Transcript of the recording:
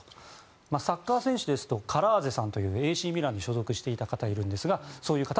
サッカー選手ですとカラーゼさんというＡＣミランに所属していた方もいます。